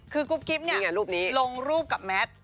คือกุ๊บกิ๊บเนี่ยลงรูปกับแมท